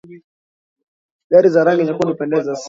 Gari za rangi nyekundu hupendeza sana.